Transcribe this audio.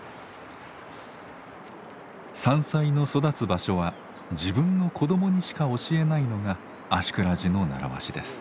山菜の育つ場所は自分の子供にしか教えないのが芦峅寺の習わしです。